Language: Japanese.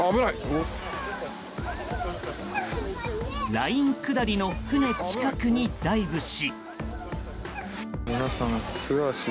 ライン下りの船近くにダイブし。